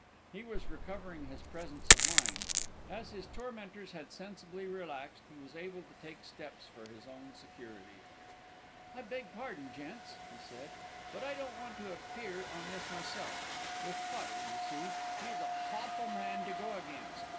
He was recovering his presence of mind. As his tormentors had sensibly relaxed, he was able to take steps for his own security. "I beg pardon, gents," he said, "but I don't want to appear in this myself. There's Potter, you see; he's a hawful man to go against.